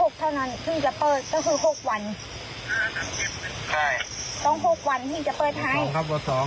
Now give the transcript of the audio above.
๒ครับกว่า๒